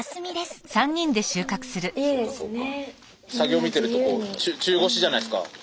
作業見てると中腰じゃないですか。